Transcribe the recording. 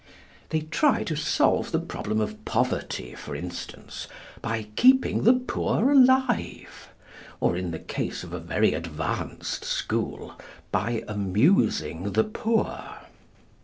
They try to solve the problem of poverty, for instance, by keeping the poor alive; or, in the case of a very advanced school, by amusing the poor.